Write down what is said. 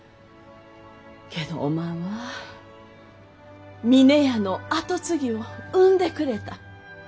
けどおまんは峰屋の跡継ぎを産んでくれた！